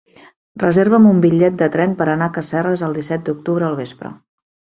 Reserva'm un bitllet de tren per anar a Casserres el disset d'octubre al vespre.